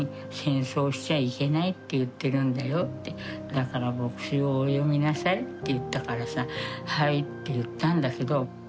「だから墨子をお読みなさい」って言ったからさ「はい」って言ったんだけど。